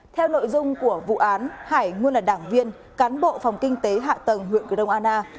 theo nội dung của vụ án hải nguồn là đảng viên cán bộ phòng kinh tế hạ tầng huyện cửa đông ana